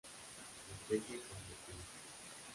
Especie cosmopolita.